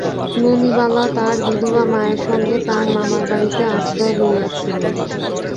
ননিবালা তার বিধবা মায়ের সঙ্গে তার মামার বাড়িতে আশ্রয় লইয়াছিল।